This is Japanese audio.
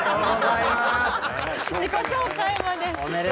自己紹介まで。